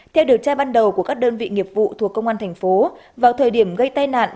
theo điều tra ban đầu của các đơn vị nghiệp vụ thuộc công an thành phố vào thời điểm gây tai nạn